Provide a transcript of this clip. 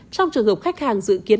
trong trường hợp khách hàng dự kiến